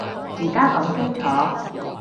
而家講清楚